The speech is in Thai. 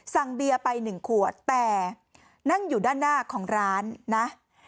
เบียร์ไป๑ขวดแต่นั่งอยู่ด้านหน้าของร้านนะ